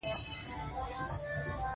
پاچا سره د وطن ټول واک وي .